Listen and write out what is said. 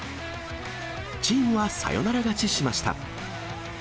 チームはサヨナラ勝ちしました。